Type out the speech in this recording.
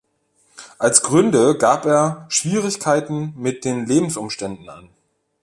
Als Gründe gab er Schwierigkeiten mit den Lebensumständen an.